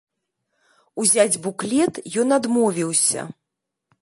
Узяць буклет ён адмовіўся.